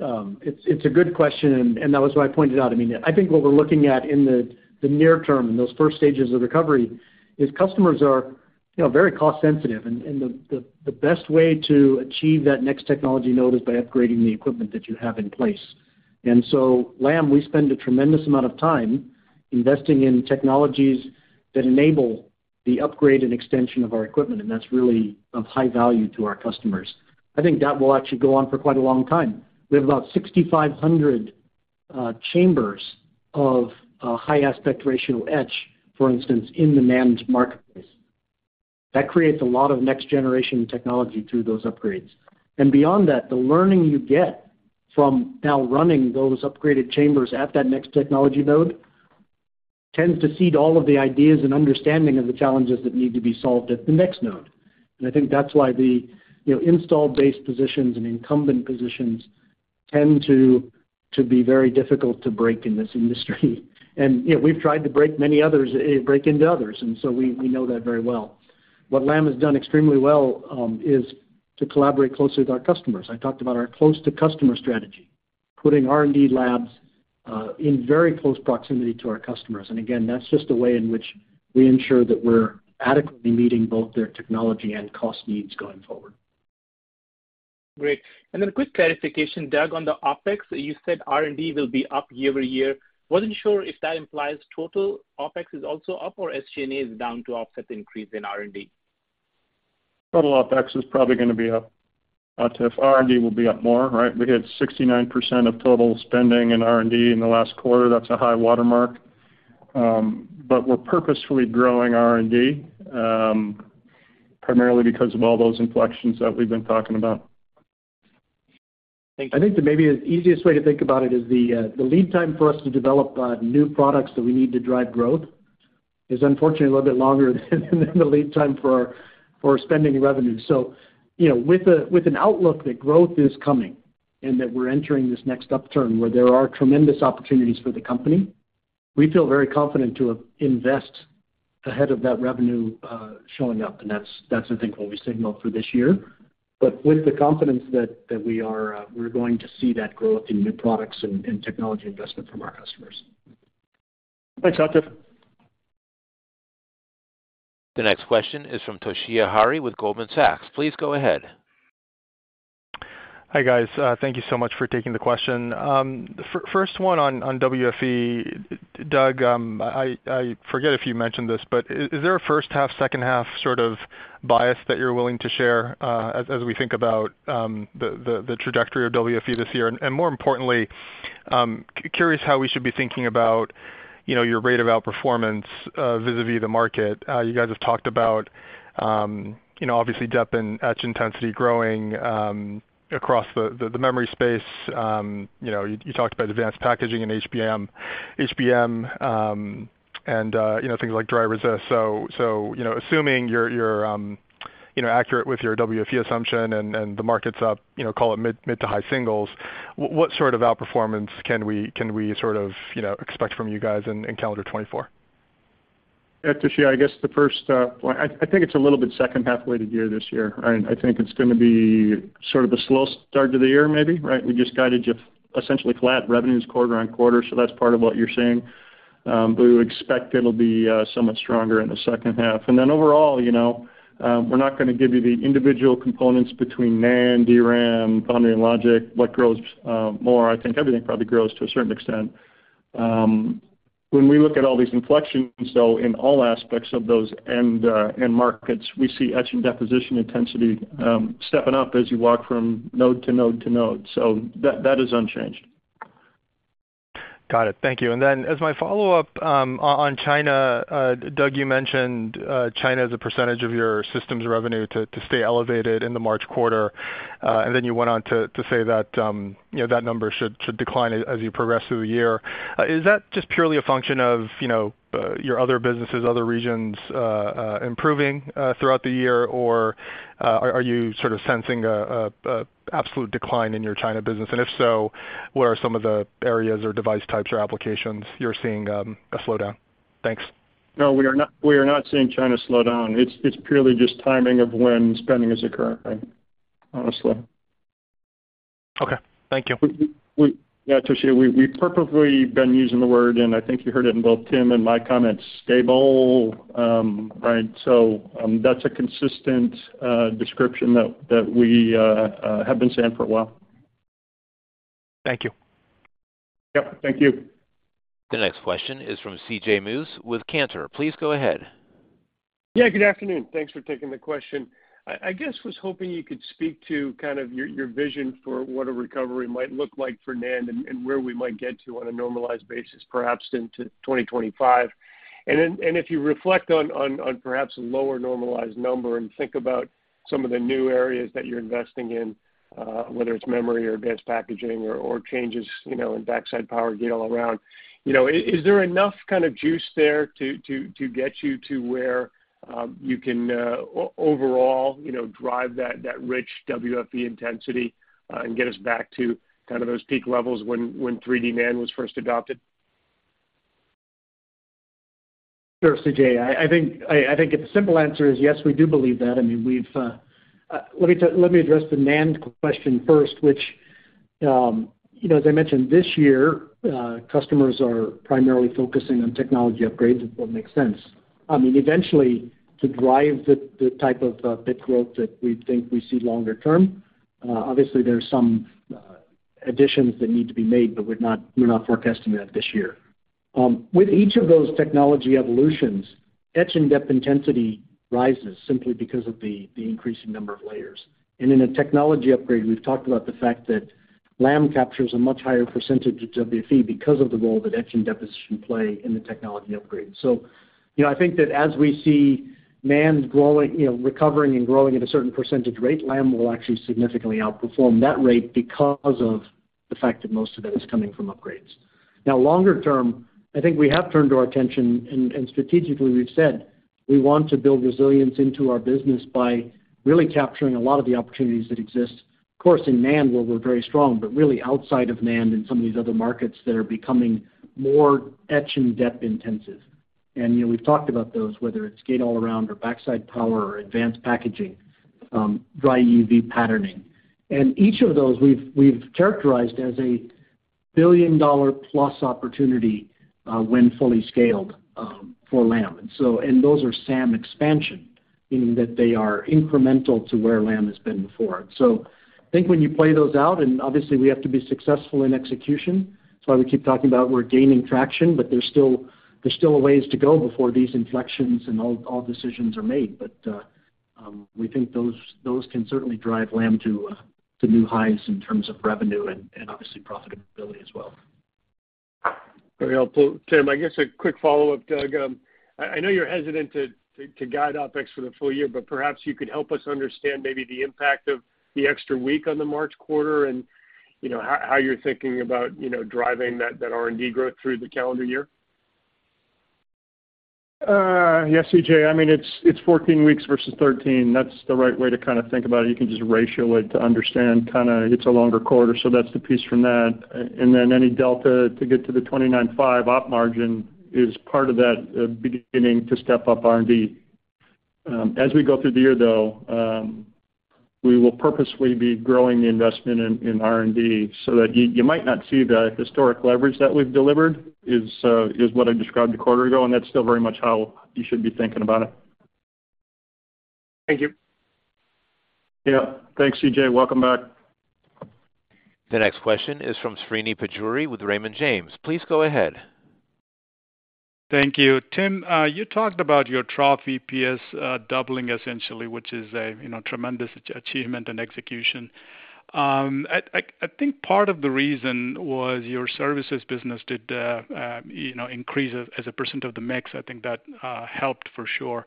it's a good question, and that was why I pointed out. I mean, I think what we're looking at in the near term, in those first stages of recovery, is customers are, you know, very cost sensitive, and the best way to achieve that next technology node is by upgrading the equipment that you have in place. And so Lam, we spend a tremendous amount of time investing in technologies that enable the upgrade and extension of our equipment, and that's really of high value to our customers. I think that will actually go on for quite a long time. We have about 6,500 chambers of high aspect ratio etch, for instance, in the managed marketplace. That creates a lot of next-generation technology through those upgrades. Beyond that, the learning you get from now running those upgraded chambers at that next technology node tends to seed all of the ideas and understanding of the challenges that need to be solved at the next node. I think that's why the, you know, installed base positions and incumbent positions tend to be very difficult to break in this industry. You know, we've tried to break many others, break into others, and so we know that very well. What Lam has done extremely well is to collaborate closely with our customers. I talked about our close-to-customer strategy, putting R&D labs in very close proximity to our customers. Again, that's just a way in which we ensure that we're adequately meeting both their technology and cost needs going forward. Great. And then a quick clarification, Doug, on the OpEx. You said R&D will be up year over year. Wasn't sure if that implies total OpEx is also up or SG&A is down to offset the increase in R&D? Total OpEx is probably gonna be up. But if R&D will be up more, right, we had 69% of total spending in R&D in the last quarter. That's a high watermark. We're purposefully growing R&D, primarily because of all those inflections that we've been talking about. Thank you. I think that maybe the easiest way to think about it is the, the lead time for us to develop, new products that we need to drive growth is unfortunately, a little bit longer than the lead time for our, for our spending revenue. So, you know, with a, with an outlook that growth is coming and that we're entering this next upturn where there are tremendous opportunities for the company, we feel very confident to invest ahead of that revenue, showing up. And that's, that's I think, what we signaled for this year. But with the confidence that, that we are, we're going to see that growth in new products and, and technology investment from our customers. Thanks, Atif. The next question is from Toshiya Hari with Goldman Sachs. Please go ahead. Hi, guys. Thank you so much for taking the question. The first one on WFE. Doug, I forget if you mentioned this, but is there a first half, second half sort of bias that you're willing to share, as we think about the trajectory of WFE this year? And more importantly, curious how we should be thinking about, you know, your rate of outperformance, vis-a-vis the market. You guys have talked about, you know, obviously, dep and etch intensity growing, across the memory space. You know, you talked about advanced packaging and HBM, and you know, things like dry resist. So, you know, assuming you're accurate with your WFE assumption and the market's up, you know, call it mid to high singles, what sort of outperformance can we sort of, you know, expect from you guys in calendar 2024? Yeah, Toshiya, I guess the first, well, I think it's a little bit second half weighted year this year. I think it's gonna be sort of a slow start to the year, maybe, right? We just guided you, essentially flat revenues quarter on quarter, so that's part of what you're seeing. But we expect it'll be somewhat stronger in the second half. And then overall, you know, we're not gonna give you the individual components between NAND, DRAM, Foundry, and Logic, what grows more. I think everything probably grows to a certain extent. When we look at all these inflections, though, in all aspects of those end end markets, we see etch and deposition intensity stepping up as you walk from node to node to node. So that is unchanged. Got it. Thank you. And then as my follow-up, on China, Doug, you mentioned, China as a percentage of your systems revenue to stay elevated in the March quarter. And then you went on to say that, you know, that number should decline as you progress through the year. Is that just purely a function of, you know, your other businesses, other regions, improving throughout the year? Or, are you sort of sensing an absolute decline in your China business? And if so, where are some of the areas or device types or applications you're seeing, a slowdown? Thanks. No, we are not, we are not seeing China slow down. It's, it's purely just timing of when spending is occurring, honestly. Okay, thank you. We, yeah, Toshiya, we've purposely been using the word, and I think you heard it in both Tim and my comments, stable, right? So, that's a consistent description that we have been saying for a while. Thank you. Yep, thank you. The next question is from C.J. Muse with Cantor. Please go ahead. Yeah, good afternoon. Thanks for taking the question. I guess was hoping you could speak to kind of your vision for what a recovery might look like for NAND and where we might get to on a normalized basis, perhaps into 2025. And then, if you reflect on perhaps a lower normalized number and think about some of the new areas that you're investing in, whether it's memory or advanced packaging or changes, you know, in backside power gate-all-around. You know, is there enough kind of juice there to get you to where you can overall, you know, drive that rich WFE intensity and get us back to kind of those peak levels when 3D NAND was first adopted? Sure, C.J. I think the simple answer is yes, we do believe that. I mean, let me address the NAND question first, which, you know, as I mentioned this year, customers are primarily focusing on technology upgrades that make sense. I mean, eventually, to drive the type of bit growth that we think we see longer term, obviously, there's some additions that need to be made, but we're not forecasting that this year. With each of those technology evolutions, etch-in-dep intensity rises simply because of the increasing number of layers. And in a technology upgrade, we've talked about the fact that Lam captures a much higher percentage of WFE because of the role that etch-in-dep should play in the technology upgrade. So, you know, I think that as we see NAND growing, you know, recovering and growing at a certain percentage rate, Lam will actually significantly outperform that rate because of the fact that most of it is coming from upgrades. Now, longer term, I think we have turned our attention, and strategically, we've said we want to build resilience into our business by really capturing a lot of the opportunities that exist, of course, in NAND, where we're very strong, but really outside of NAND in some of these other markets that are becoming more etch and dep intensive. And, you know, we've talked about those, whether it's gate-all-around or backside power or advanced packaging, dry EUV patterning. And each of those, we've characterized as a billion-dollar plus opportunity, when fully scaled, for Lam. And those are SAM expansion, meaning that they are incremental to where Lam has been before. So I think when you play those out, and obviously we have to be successful in execution, that's why we keep talking about we're gaining traction, but there's still, there's still a ways to go before these inflections and all, all decisions are made. But we think those, those can certainly drive Lam to new highs in terms of revenue and, and obviously profitability as well. Very helpful, Tim. I guess a quick follow-up, Doug. I know you're hesitant to guide OpEx for the full year, but perhaps you could help us understand maybe the impact of the extra week on the March quarter, and, you know, how you're thinking about, you know, driving that R&D growth through the calendar year. Yes, C.J. I mean, it's 14 weeks versus 13. That's the right way to kind of think about it. You can just ratio it to understand kind of it's a longer quarter, so that's the piece from that. And then any delta to get to the 29.5% op margin is part of that, beginning to step up R&D. As we go through the year, though, we will purposely be growing the investment in R&D so that you might not see the historic leverage that we've delivered is what I described a quarter ago, and that's still very much how you should be thinking about it. Thank you. Yeah. Thanks, C.J. Welcome back. The next question is from Srini Pajjuri with Raymond James. Please go ahead. Thank you. Tim, you talked about your trough EPS, doubling essentially, which is a, you know, tremendous achievement and execution. I think part of the reason was your services business did increase as a percent of the mix. I think that helped for sure,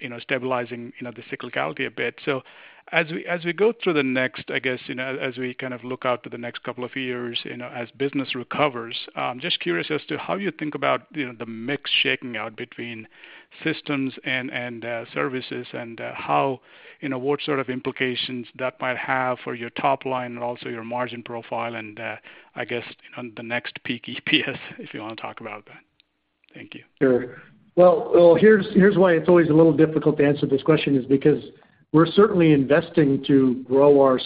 you know, stabilizing, you know, the cyclicality a bit. So as we go through the next, I guess, you know, as we kind of look out to the next couple of years, you know, as business recovers, just curious as to how you think about, you know, the mix shaking out between systems and services, and how, you know, what sort of implications that might have for your top line and also your margin profile, and I guess on the next peak EPS, if you want to talk about that. Thank you. Sure. Well, here's why it's always a little difficult to answer this question is because we're certainly investing to grow our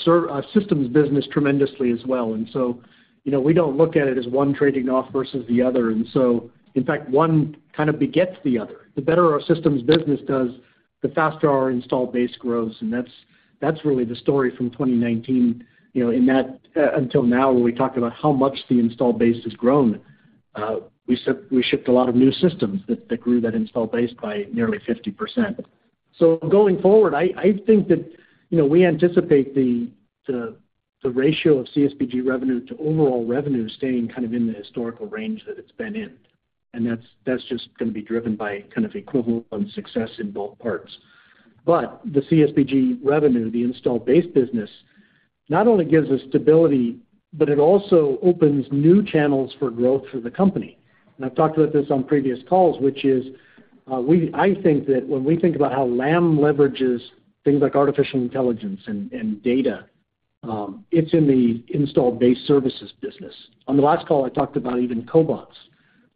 systems business tremendously as well. And so, you know, we don't look at it as one trading off versus the other. And so in fact, one kind of begets the other. The better our systems business does, the faster our installed base grows, and that's really the story from 2019, you know, in that until now, when we talk about how much the installed base has grown, we shipped a lot of new systems that grew that installed base by nearly 50%. So going forward, I think that, you know, we anticipate the ratio of CSBG revenue to overall revenue staying kind of in the historical range that it's been in. That's, that's just gonna be driven by kind of equivalent success in both parts. But the CSBG revenue, the installed base business, not only gives us stability, but it also opens new channels for growth for the company. I've talked about this on previous calls, which is, I think that when we think about how Lam leverages things like artificial intelligence and, and data, it's in the installed base services business. On the last call, I talked about even cobots,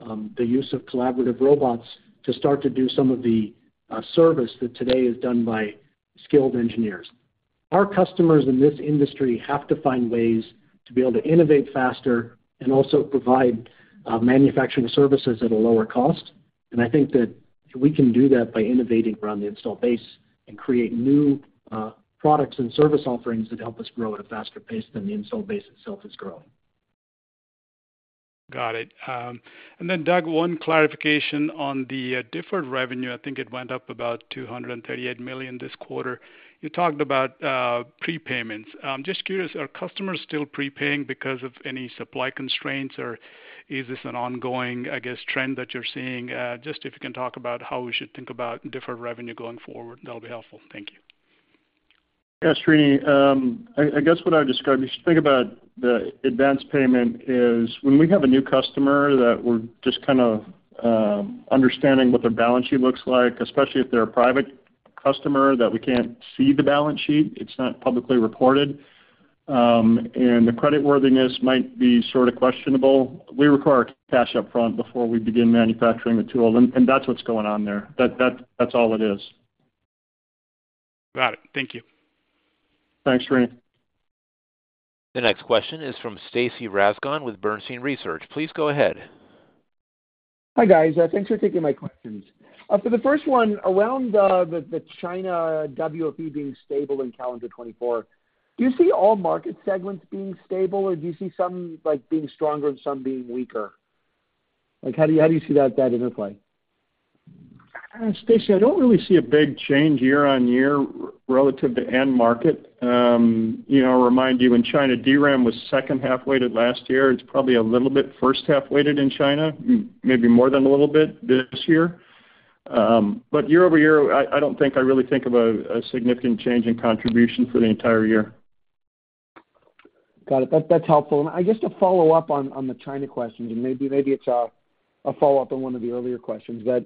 the use of collaborative robots to start to do some of the service that today is done by skilled engineers. Our customers in this industry have to find ways to be able to innovate faster and also provide manufacturing services at a lower cost. And I think that we can do that by innovating around the installed base and create new products and service offerings that help us grow at a faster pace than the installed base itself is growing. Got it. And then Doug, one clarification on the deferred revenue. I think it went up about $238 million this quarter. You talked about prepayments. I'm just curious, are customers still prepaying because of any supply constraints, or is this an ongoing, I guess, trend that you're seeing? Just if you can talk about how we should think about deferred revenue going forward, that'll be helpful. Thank you. Yes, Srini. I guess what I described, you should think about the advanced payment is when we have a new customer that we're just kind of understanding what their balance sheet looks like, especially if they're a private customer, that we can't see the balance sheet, it's not publicly reported, and the creditworthiness might be sort of questionable. We require cash upfront before we begin manufacturing the tool, and that's what's going on there. That's all it is. Got it. Thank you. Thanks, Srini. The next question is from Stacy Rasgon with Bernstein Research. Please go ahead. Hi, guys. Thanks for taking my questions. For the first one, around the China WFE being stable in calendar 2024, do you see all market segments being stable, or do you see some, like, being stronger and some being weaker? Like, how do you, how do you see that interplay? Stacy, I don't really see a big change year-over-year relative to end market. You know, I'll remind you, when China DRAM was second half-weighted last year, it's probably a little bit first half-weighted in China, maybe more than a little bit this year. But year-over-year, I don't really think of a significant change in contribution for the entire year. Got it. That, that's helpful. And I guess to follow up on the China questions, and maybe it's a follow-up on one of the earlier questions, but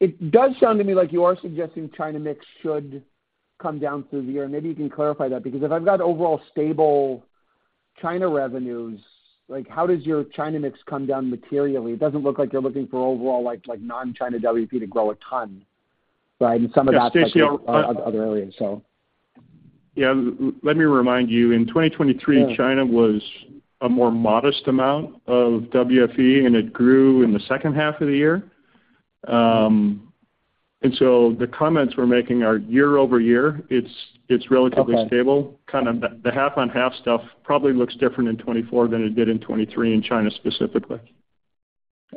it does sound to me like you are suggesting China mix should come down through the year. Maybe you can clarify that, because if I've got overall stable China revenues, like, how does your China mix come down materially? It doesn't look like you're looking for overall, like, non-China WFE to grow a ton, right? And some of that- Yeah, Stacy, other areas, so. Yeah, let me remind you, in 2023, China was a more modest amount of WFE, and it grew in the second half of the year. And so the comments we're making are year-over-year, it's, it's relatively stable. Okay. Kind of the half-on-half stuff probably looks different in 2024 than it did in 2023 in China, specifically.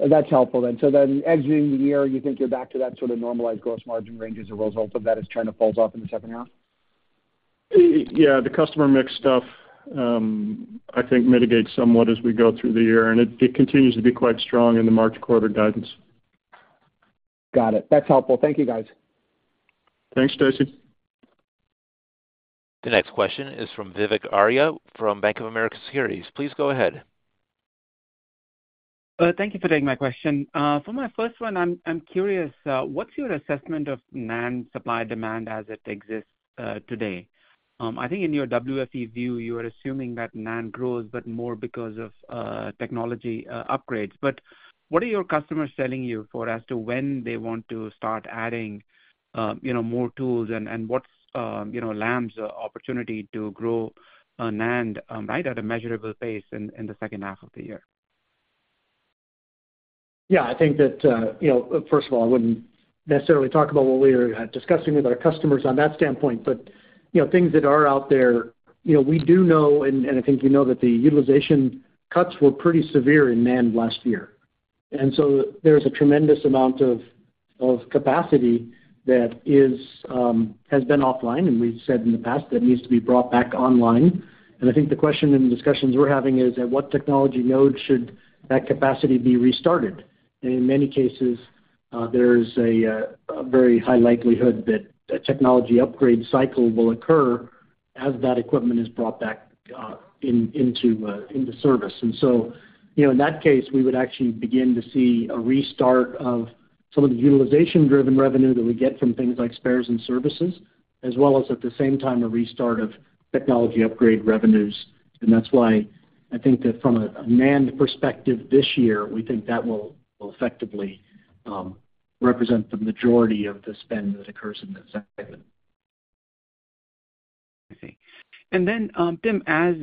That's helpful then. So then exiting the year, you think you're back to that sort of normalized gross margin range as a result of that, as China falls off in the second half? Yeah, the customer mix stuff, I think mitigates somewhat as we go through the year, and it, it continues to be quite strong in the March quarter guidance. Got it. That's helpful. Thank you, guys. Thanks, Stacy. The next question is from Vivek Arya from Bank of America Securities. Please go ahead. Thank you for taking my question. For my first one, I'm curious, what's your assessment of NAND supply demand as it exists, today? I think in your WFE view, you are assuming that NAND grows, but more because of, technology, upgrades. But what are your customers telling you for as to when they want to start adding, you know, more tools? And what's, you know, Lam's opportunity to grow, NAND, right at a measurable pace in, the second half of the year? Yeah, I think that, you know, first of all, I wouldn't necessarily talk about what we're discussing with our customers on that standpoint. But, you know, things that are out there, you know, we do know, and I think we know that the utilization cuts were pretty severe in NAND last year. And so there's a tremendous amount of capacity that is has been offline, and we've said in the past that needs to be brought back online. And I think the question and discussions we're having is, at what technology node should that capacity be restarted? In many cases, there's a very high likelihood that a technology upgrade cycle will occur as that equipment is brought back into service. And so, you know, in that case, we would actually begin to see a restart of some of the utilization-driven revenue that we get from things like spares and services, as well as, at the same time, a restart of technology upgrade revenues. And that's why I think that from a NAND perspective, this year, we think that will effectively represent the majority of the spend that occurs in this segment. I see. And then, Tim, as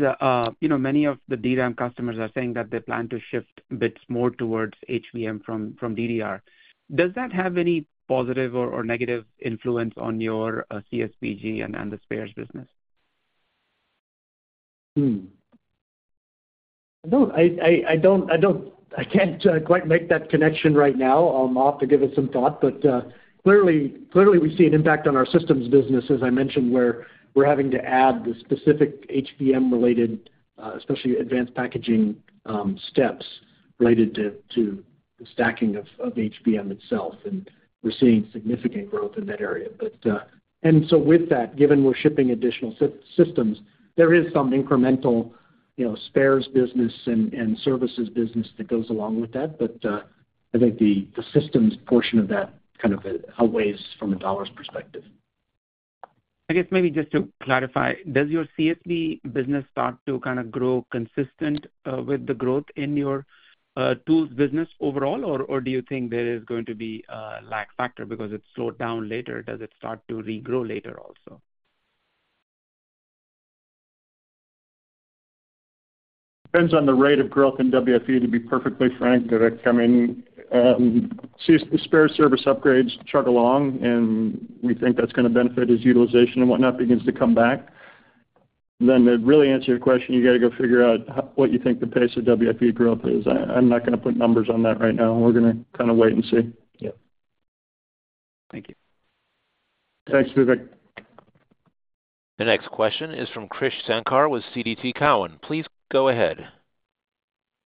you know, many of the DRAM customers are saying that they plan to shift bits more towards HBM from DDR. Does that have any positive or negative influence on your CSBG and the spares business? I can't quite make that connection right now. I'll have to give it some thought, but clearly we see an impact on our systems business, as I mentioned, where we're having to add the specific HBM-related, especially advanced packaging, steps related to the stacking of HBM itself, and we're seeing significant growth in that area. And so with that, given we're shipping additional systems, there is some incremental, you know, spares business and services business that goes along with that. But I think the systems portion of that kind of outweighs from a dollars perspective. I guess maybe just to clarify, does your CSBG business start to kind of grow consistent with the growth in your tools business overall? Or, do you think there is going to be a lag factor because it slowed down later, does it start to regrow later also? Depends on the rate of growth in WFE, to be perfectly frank, that are coming. See spare service upgrades chug along, and we think that's going to benefit as utilization and whatnot begins to come back. Then to really answer your question, you got to go figure out what you think the pace of WFE growth is. I, I'm not going to put numbers on that right now. We're going to kind of wait and see. Yep. Thank you. Thanks, Vivek. The next question is from Krish Sankar with TD Cowen. Please go ahead.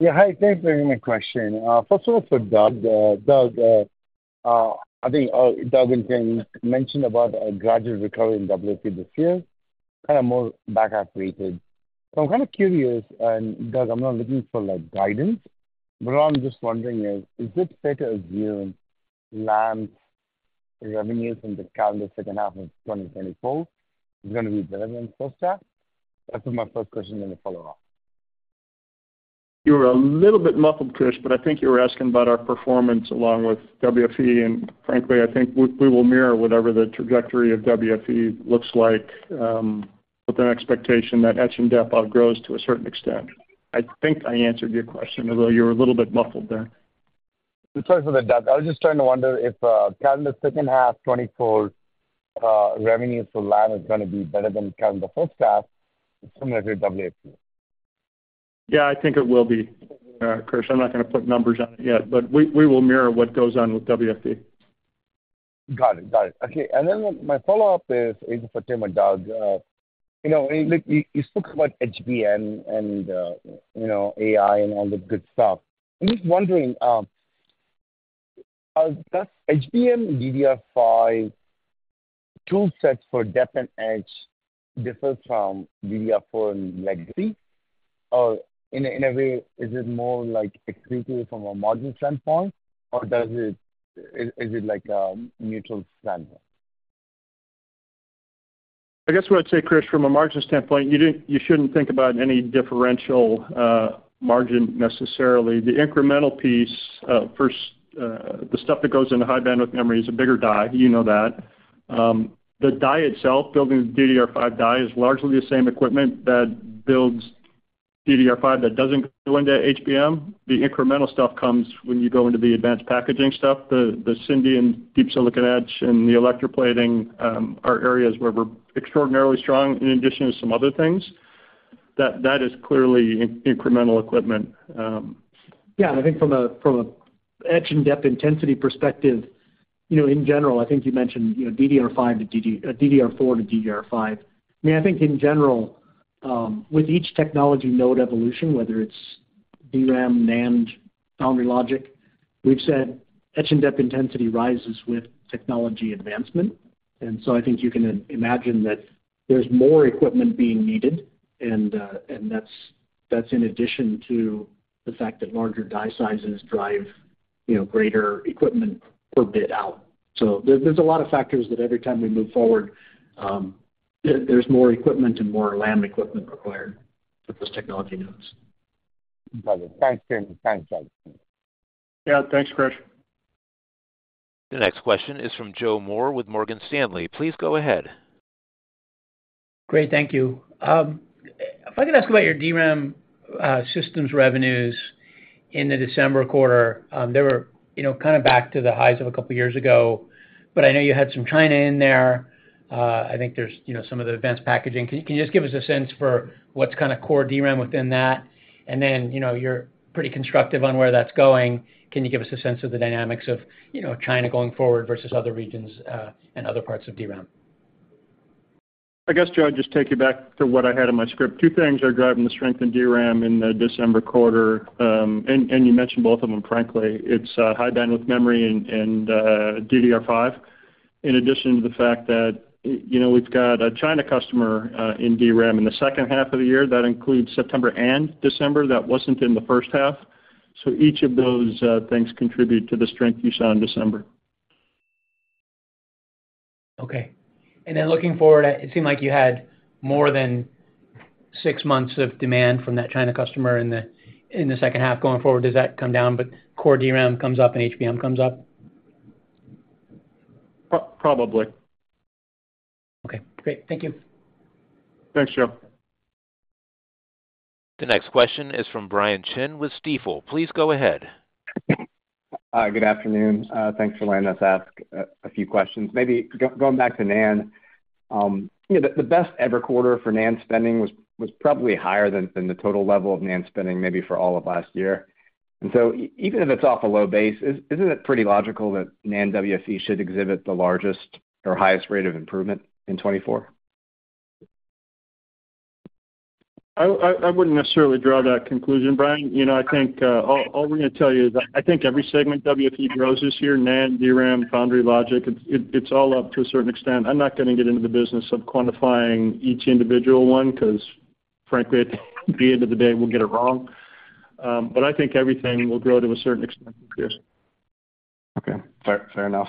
Yeah, hi. Thanks for taking my question. First of all, for Doug. Doug, I think, Doug and Tim mentioned about a gradual recovery in WFE this year, kind of more back half-weighted. So I'm kind of curious, and Doug, I'm not looking for, like, guidance, but I'm just wondering is it fair to assume Lam revenues in the calendar second half of 2024 is going to be better than the first half? That's my first question, then a follow-up. You were a little bit muffled, Krish, but I think you were asking about our performance along with WFE, and frankly, I think we, we will mirror whatever the trajectory of WFE looks like, with an expectation that etch and dep outgrows to a certain extent. I think I answered your question, although you were a little bit muffled there. Sorry for that, Doug. I was just trying to wonder if calendar second half 2024 revenues for Lam is going to be better than calendar the first half, similar to WFE? Yeah, I think it will be, Krish. I'm not going to put numbers on it yet, but we will mirror what goes on with WFE. Got it. Got it. Okay, and then my follow-up is for Tim or Doug. You know, when you spoke about HBM and, you know, AI and all the good stuff. I'm just wondering, does HBM DDR5 tool set for dep and etch differ from DDR4 legacy? Or in a way, is it more like accretive from a margin standpoint, or does it, is it like a neutral standpoint? I guess what I'd say, Krish, from a margin standpoint, you shouldn't think about any differential margin necessarily. The incremental piece, first, the stuff that goes into High-Bandwidth Memory is a bigger die. You know that. The die itself, building the DDR5 die, is largely the same equipment that builds DDR5 that doesn't go into HBM. The incremental stuff comes when you go into the Advanced Packaging stuff. The Syndion Deep Silicon Etch and the electroplating are areas where we're extraordinarily strong, in addition to some other things. That is clearly incremental equipment. Yeah, I think from a, from an etch and dep intensity perspective, you know, in general, I think you mentioned, you know, DDR4 to DDR5. I mean, I think in general, with each technology node evolution, whether it's DRAM, NAND, Foundry/Logic, we've said etch and dep intensity rises with technology advancement. And so I think you can imagine that there's more equipment being needed, and, and that's in addition to the fact that larger die sizes drive, you know, greater equipment per bit out. So there's a lot of factors that every time we move forward, there's more equipment and more Lam equipment required with this technology nodes. Got it. Thanks, Tim. Thanks, Doug. Yeah, thanks, Krish. The next question is from Joe Moore with Morgan Stanley. Please go ahead. Great, thank you. If I could ask about your DRAM systems revenues in the December quarter. They were, you know, kind of back to the highs of a couple of years ago, but I know you had some China in there. I think there's, you know, some of the advanced packaging. Can you, can you just give us a sense for what's kind of core DRAM within that? And then, you know, you're pretty constructive on where that's going. Can you give us a sense of the dynamics of, you know, China going forward versus other regions, and other parts of DRAM? I guess, Joe, I'd just take you back to what I had in my script. Two things are driving the strength in DRAM in the December quarter, and, and you mentioned both of them, frankly. It's High Bandwidth Memory and, and, DDR5, in addition to the fact that, you know, we've got a China customer in DRAM in the second half of the year. That includes September and December. That wasn't in the first half. So each of those things contribute to the strength you saw in December. Okay. Then looking forward, it seemed like you had more than six months of demand from that China customer in the second half. Going forward, does that come down, but core DRAM comes up and HBM comes up? Probably. Okay, great. Thank you. Thanks, Joe. The next question is from Brian Chin with Stifel. Please go ahead. Hi, good afternoon. Thanks for letting us ask a few questions. Maybe going back to NAND. You know, the best-ever quarter for NAND spending was probably higher than the total level of NAND spending, maybe for all of last year. And so even if it's off a low base, isn't it pretty logical that NAND WFE should exhibit the largest or highest rate of improvement in 2024? I wouldn't necessarily draw that conclusion, Brian. You know, I think all we're going to tell you is that I think every segment, WFE grows this year, NAND, DRAM, Foundry/Logic, it's all up to a certain extent. I'm not going to get into the business of quantifying each individual one, because frankly, at the end of the day, we'll get it wrong. But I think everything will grow to a certain extent this year. Okay, fair, fair enough.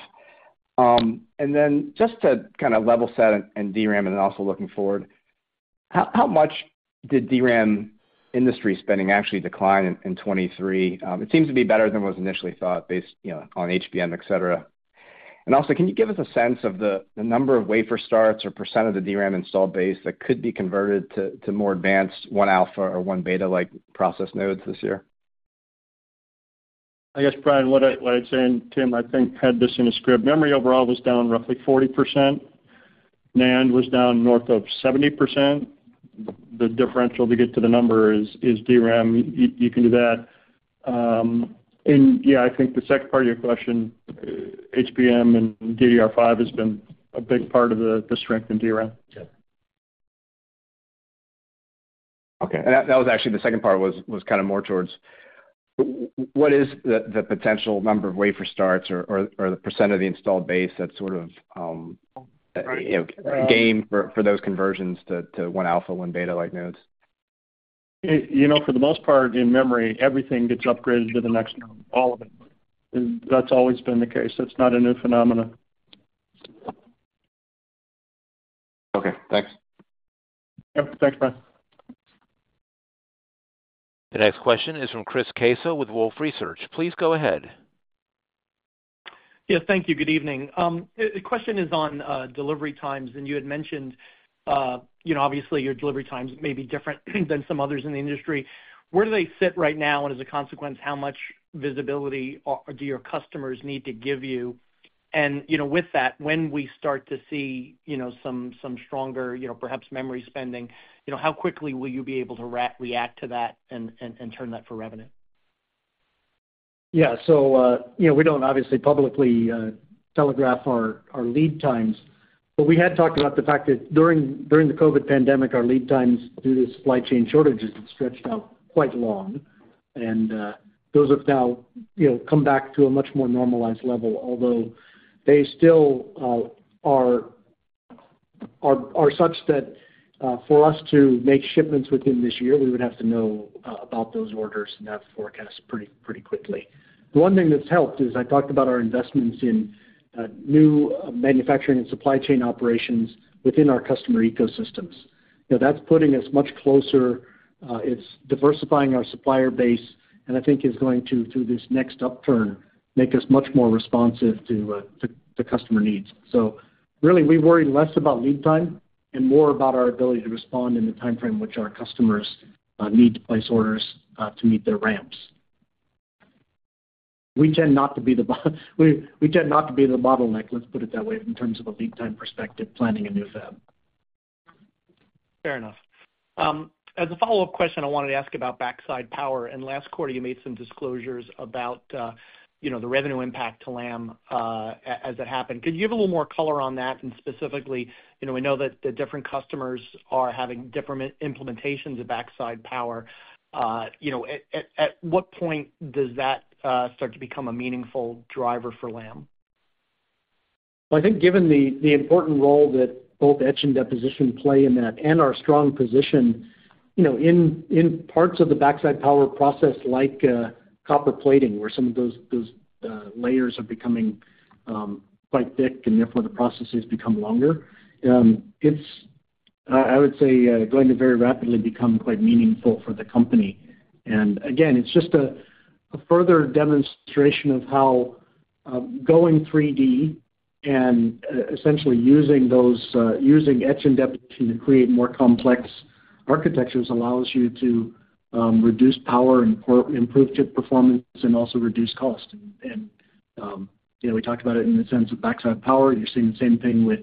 And then just to kind of level set in DRAM and then also looking forward, how, how much did DRAM industry spending actually decline in, in 2023? It seems to be better than was initially thought, based, you know, on HBM, et cetera. And also, can you give us a sense of the, the number of wafer starts or % of the DRAM installed base that could be converted to, to more advanced 1-alpha or 1-beta-like process nodes this year? I guess, Brian, what I, what I'd say, and Tim, I think, had this in his script. Memory overall was down roughly 40%. NAND was down north of 70%. The differential to get to the number is, is DRAM. You, you can do that. And yeah, I think the second part of your question, HBM and DDR5 has been a big part of the, the strength in DRAM. Okay. And that was actually the second part was kind of more towards what is the potential number of wafer starts or the percent of the installed base that's sort of, you know, game for those conversions to 1-alpha, 1-beta-like nodes? You know, for the most part, in memory, everything gets upgraded to the next node, all of it. That's always been the case. That's not a new phenomenon. Okay, thanks. Yep. Thanks, Brian. The next question is from Chris Caso with Wolfe Research. Please go ahead. Yeah, thank you. Good evening. The question is on delivery times, and you had mentioned, you know, obviously, your delivery times may be different than some others in the industry. Where do they sit right now, and as a consequence, how much visibility do your customers need to give you? And, you know, with that, when we start to see, you know, some stronger, you know, perhaps memory spending, you know, how quickly will you be able to react to that and turn that for revenue? Yeah. So, you know, we don't obviously publicly telegraph our lead times, but we had talked about the fact that during the COVID pandemic, our lead times, due to supply chain shortages, had stretched out quite long, and those have now, you know, come back to a much more normalized level, although they still are such that, for us to make shipments within this year, we would have to know about those orders and have forecasts pretty quickly. The one thing that's helped is I talked about our investments in new manufacturing and supply chain operations within our customer ecosystems. You know, that's putting us much closer, it's diversifying our supplier base, and I think is going to, through this next upturn, make us much more responsive to customer needs. So really, we worry less about lead time and more about our ability to respond in the timeframe which our customers need to place orders to meet their ramps. We tend not to be the bottleneck, let's put it that way, in terms of a lead time perspective, planning a new fab. Fair enough. As a follow-up question, I wanted to ask about backside power, and last quarter, you made some disclosures about, you know, the revenue impact to Lam, as it happened. Could you give a little more color on that? And specifically, you know, we know that the different customers are having different implementations of backside power. You know, at what point does that start to become a meaningful driver for Lam? I think given the important role that both etch and deposition play in that and our strong position, you know, in parts of the backside power process, like copper plating, where some of those layers are becoming quite thick, and therefore, the processes become longer, it's going to very rapidly become quite meaningful for the company. And again, it's just a further demonstration of how going 3D and essentially using etch and deposition to create more complex architectures allows you to reduce power and improve chip performance and also reduce cost. And you know, we talked about it in the sense of backside power. You're seeing the same thing with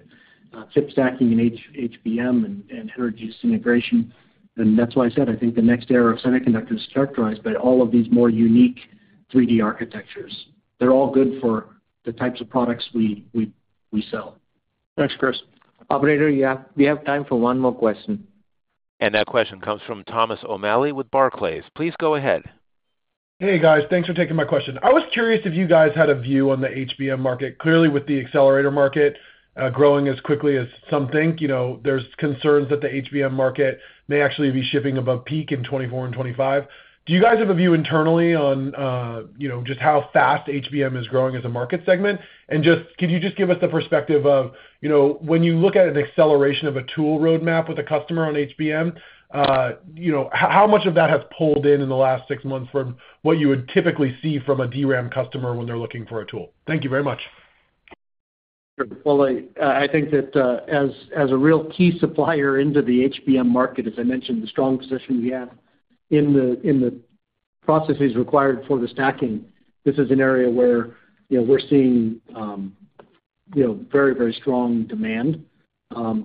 chip stacking and HBM and heterogeneous integration. That's why I said, I think the next era of semiconductors is characterized by all of these more unique 3D architectures. They're all good for the types of products we sell. Thanks, Chris. Operator, yeah, we have time for one more question. That question comes from Thomas O'Malley with Barclays. Please go ahead. Hey, guys. Thanks for taking my question. I was curious if you guys had a view on the HBM market. Clearly, with the accelerator market growing as quickly as some think, you know, there's concerns that the HBM market may actually be shipping above peak in 2024 and 2025. Do you guys have a view internally on, you know, just how fast HBM is growing as a market segment? And just, could you just give us the perspective of, you know, when you look at an acceleration of a tool roadmap with a customer on HBM, how much of that has pulled in in the last six months from what you would typically see from a DRAM customer when they're looking for a tool? Thank you very much. Well, I, I think that, as, as a real key supplier into the HBM market, as I mentioned, the strong position we have in the, in the processes required for the stacking, this is an area where, you know, we're seeing, you know, very, very strong demand.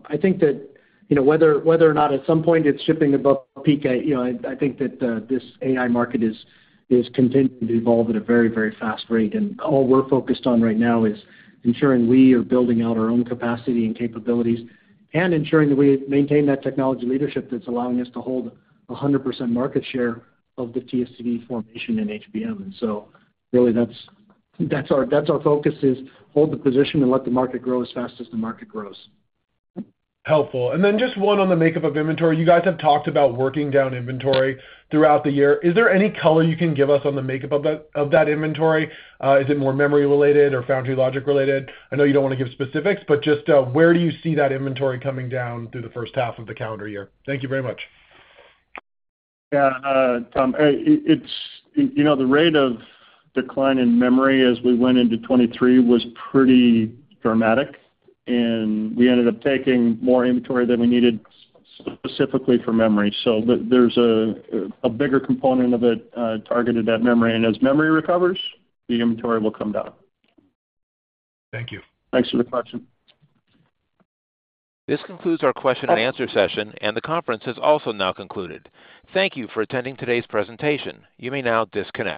I think that, you know, whether, whether or not at some point it's shipping above peak, I, you know, I, I think that, this AI market is, is continuing to evolve at a very, very fast rate. And all we're focused on right now is ensuring we are building out our own capacity and capabilities, and ensuring that we maintain that technology leadership that's allowing us to hold a 100% market share of the TSV formation in HBM. And so really, that's, that's our, that's our focus, is hold the position and let the market grow as fast as the market grows. Helpful. And then just one on the makeup of inventory. You guys have talked about working down inventory throughout the year. Is there any color you can give us on the makeup of that, of that inventory? Is it more memory-related or foundry logic-related? I know you don't want to give specifics, but just, where do you see that inventory coming down through the first half of the calendar year? Thank you very much. Yeah, Tom, it's, you know, the rate of decline in memory as we went into 2023 was pretty dramatic, and we ended up taking more inventory than we needed, specifically for memory. So, there's a bigger component of it targeted at memory, and as memory recovers, the inventory will come down. Thank you. Thanks for the question. This concludes our question-and-answer session, and the conference has also now concluded. Thank you for attending today's presentation. You may now disconnect.